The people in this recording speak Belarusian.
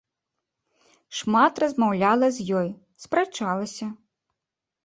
Шмат размаўляла з ёй, спрачалася.